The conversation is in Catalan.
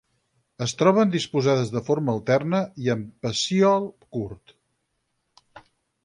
Es troben disposades de forma alterna i amb pecíol curt.